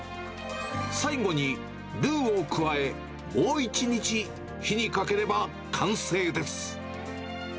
最後にルーを加え、もう１日、火にかければ完成です。